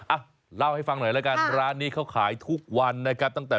อ้าเล่าให้ฟังหน่อยละกัน